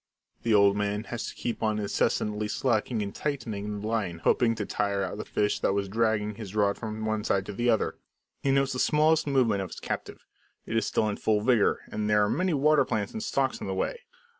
The old man has to keep on incessantly slacking and tightening the line; hoping to tire out the fish that was dragging his rod from one side to the other. He notes the smallest movement of his captive. It is still in full vigour, and there are many water plants and stalks in the way.